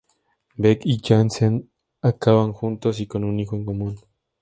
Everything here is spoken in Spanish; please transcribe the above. Beck y Johansen acaban juntos y con un hijo en común.